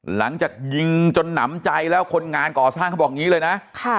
หลังจากยิงจนหนำใจแล้วคนงานก่อสร้างเขาบอกอย่างนี้เลยนะ